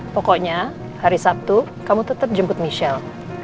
pokoknya hari sabtu kamu tetap jemput michelle